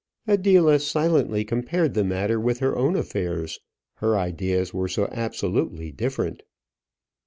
Adela silently compared the matter with her own affairs: her ideas were so absolutely different.